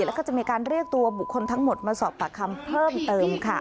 แล้วก็จะมีการเรียกตัวบุคคลทั้งหมดมาสอบปากคำเพิ่มเติมค่ะ